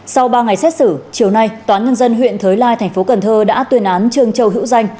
sau ba ngày xét xử chiều nay tòa nhân dân huyện thới lai tp cn đã tuyên án trương châu hữu danh